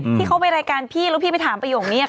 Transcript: ที่เขาไปรายการพี่แล้วพี่ไปถามประโยคนี้